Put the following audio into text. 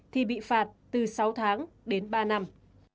thì bị phạt từ sáu tháng đến ba năm